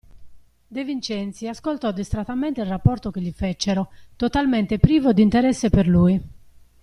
De Vincenzi ascoltò distrattamente il rapporto che gli fecero, totalmente privo d'interesse per lui.